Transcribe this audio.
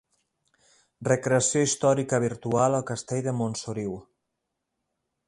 Recreació històrica virtual al Castell de Montsoriu.